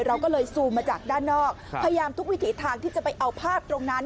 เราก็เลยซูมมาจากด้านนอกพยายามทุกวิถีทางที่จะไปเอาภาพตรงนั้น